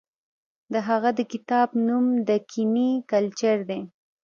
د هغه د کتاب نوم دکني کلچر دی.